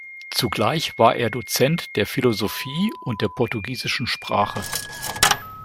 Zugleich war er Dozent der Philosophie und der portugiesischen Sprache.